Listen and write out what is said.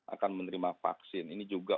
akan menerima vaksin ini juga